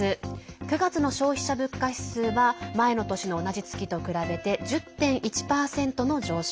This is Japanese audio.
９月の消費者物価指数は前の年の同じ月と比べて１０．１％の上昇。